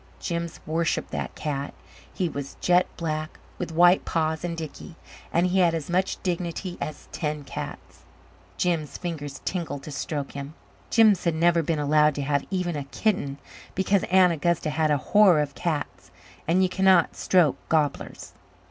Jims worshipped that cat. He was jet black, with white paws and dickey, and he had as much dignity as ten cats. Jims' fingers tingled to stroke him. Jims had never been allowed to have even a kitten because Aunt Augusta had a horror of cats. And you cannot stroke gobblers!